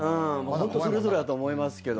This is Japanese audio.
ホントそれぞれだと思いますけど。